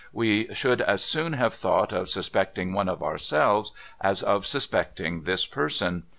We should as soon have thought of suspect ing one of ourselves as of suspecting this person.